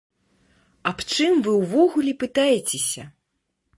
Аб чым вы ўвогуле пытаецеся?!